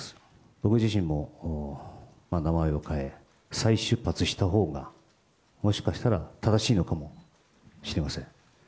僕自身も、名前を変え、再出発したほうが、もしかしたら正しいのかもしれません。